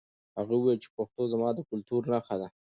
هغه وویل چې پښتو زما د کلتور نښه ده.